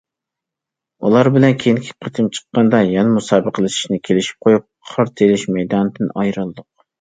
ئۇلار بىلەن كېيىنكى قېتىم چىققاندا يەنە مۇسابىقىلىشىشنى كېلىشىپ قويۇپ قار تېيىلىش مەيدانىدىن ئايرىلدۇق.